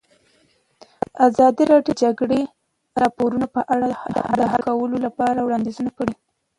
ازادي راډیو د د جګړې راپورونه په اړه د حل کولو لپاره وړاندیزونه کړي.